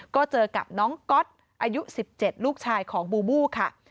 ก็เจอกับน้องก๊อตอายุ๑๗ลูกชายของบูบูค่ะ